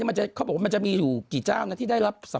ไม่ใช่เขาบอกว่ามันจะมีอยู่กี่เจ้านะที่ได้รับสำนาคาร